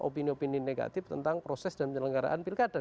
opini opini negatif tentang proses dan penyelenggaraan pilkada